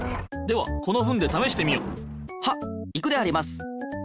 はっいくであります！